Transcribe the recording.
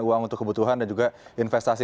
uang untuk kebutuhan dan juga investasi